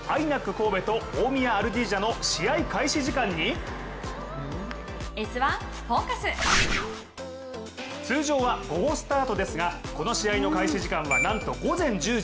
神戸と大宮アルディージャの試合開始時間に通常は午後スタートですがこの試合の開始時間はなんと午前１０時。